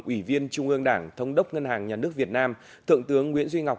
ủy viên trung ương đảng thống đốc ngân hàng nhà nước việt nam thượng tướng nguyễn duy ngọc